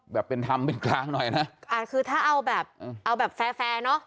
แบบเป็นธรรมเป็นกลางหน่อยนะอ่าคือถ้าเอาแบบเอาแบบแฟร์แฟร์เนอะ